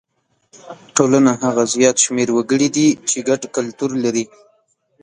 ټولنه هغه زیات شمېر وګړي دي چې ګډ کلتور لري.